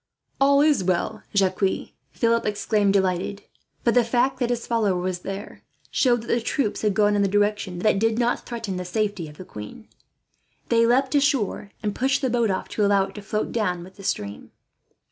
"All is well, Jacques," Philip exclaimed, delighted; for the fact that his follower was there showed that the troops had gone in the direction that did not threaten the safety of the queen. They leapt ashore and pushed the boat off, to allow it to float down with the stream.